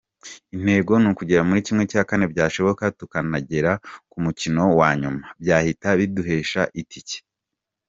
Intego ni ukugera muri ¼ byashoboka tukanagera ku mukino wa nyuma byahita biduhesha itike.